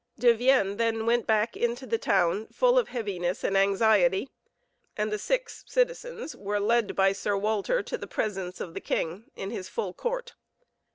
De Vienne then went back into the town, full of heaviness and anxiety; and the six citizens were led by Sir Walter to the presence of the king, in his full court.